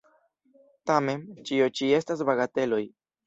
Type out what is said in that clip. Tamen, ĉio ĉi estas bagateloj!